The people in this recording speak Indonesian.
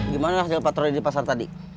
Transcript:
gimana hasil patroli di pasar tadi